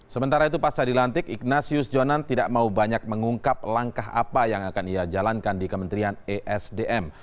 sementara itu pasca dilantik ignatius jonan tidak mau banyak mengungkap langkah apa yang akan ia jalankan di kementerian esdm